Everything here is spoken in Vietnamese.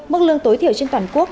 mức lương tối thiểu trên toàn quốc